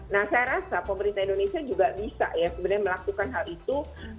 nah saya rasa pemerintah indonesia juga bisa ya sebenarnya melakukan hal itu